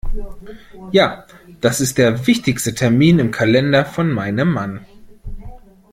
Ja, das ist der wichtigste Termin im Kalender von meinem Mann.